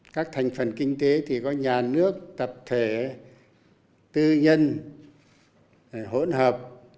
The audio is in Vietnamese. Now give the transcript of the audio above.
các thành phần kinh tế thì có nhà nước tập thể tư nhân hỗn hợp